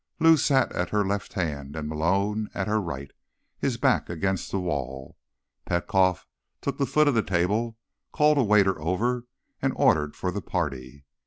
Lou sat at her left hand, and Malone at her right, his back against a wall. Petkoff took the foot of the table, called a waiter over, and ordered for the party.